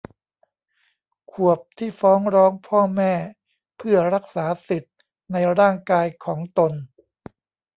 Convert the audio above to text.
ขวบที่ฟ้องร้องพ่อแม่เพื่อรักษาสิทธิ์ในร่างกายของตน